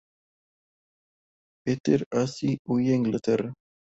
Esterházy huye a Inglaterra.